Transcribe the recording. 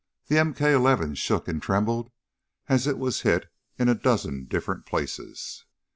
The MK 11 shook and trembled as it was hit in a dozen different places.